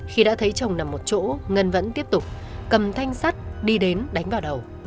khi đã thấy chồng nằm một chỗ ngân vẫn tiếp tục cầm thanh sắt đi đến đánh vào đầu